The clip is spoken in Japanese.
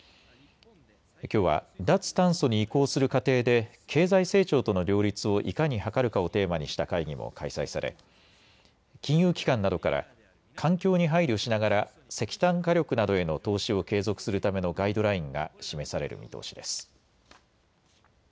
きょうは脱炭素に移行する過程で経済成長との両立をいかに図るかをテーマにした会議も開催され、金融機関などから環境に配慮しながら石炭火力などへの投資を継続するためのガイドラインが示される見通しです。